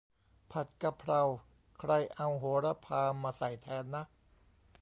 ผัดกะเพรา ใครเอาโหระพามาใส่แทนนะ